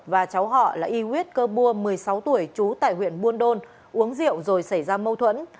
và cháu họ là y west cơ bua một mươi sáu tuổi trú tại huyện buôn đôn uống rượu rồi xảy ra mâu thuẫn